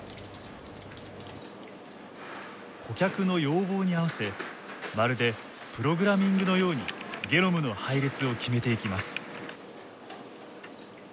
顧客の要望に合わせまるでプログラミングのようにゲノムの配列を決めていきます。